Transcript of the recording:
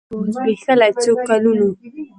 خو قوت یې وو زبېښلی څو کلونو